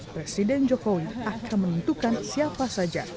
presiden jokowi akan menentukan siapa saja